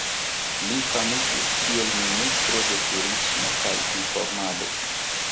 Li famiĝis kiel ministro de Turismo kaj Informado.